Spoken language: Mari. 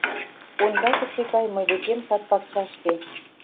Ондакысе гай мый декем сад-пакчашке.